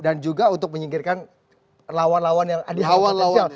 dan juga untuk menyingkirkan lawan lawan yang ada di awal potensial